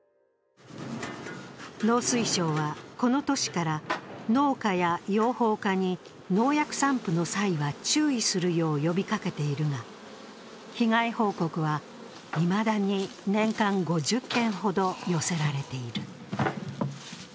農水省は、この年から農家や養蜂家に農薬散布の際は注意するよう呼びかけているが、被害報告はいまだに年間５０件ほど寄せられている。